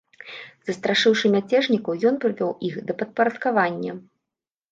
Застрашыўшы мяцежнікаў, ён прывёў іх да падпарадкавання.